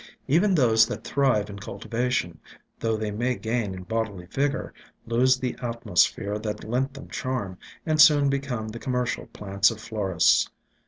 Even those that thrive in cultivation, though they may gain in bodily vigor, lose the at mosphere that lent them charm, and soon become the commercial plants of florists.